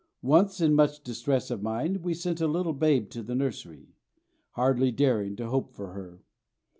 Once, in much distress of mind, we sent a little babe to the nursery, hardly daring to hope for her.